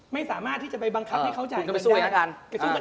ไม่สามารถที่จะไปบังคับให้เขาจ่ายเงินสวยแล้วกัน